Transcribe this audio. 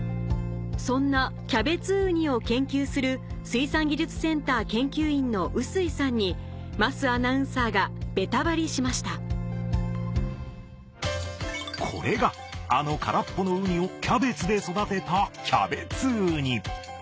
そんなキャベツウニを研究する水産技術センター研究員の臼井さんに桝アナウンサーがベタバリしましたこれがあの空っぽのウニをキャベツで育てたキャベツウニ。